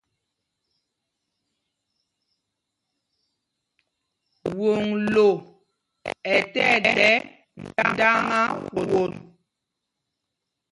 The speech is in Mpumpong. Woŋglo ɛ́ tí ɛɗɛ́ ndāŋā won.